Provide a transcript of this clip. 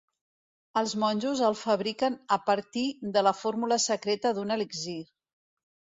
Els monjos el fabriquen a partir de la fórmula secreta d'un elixir.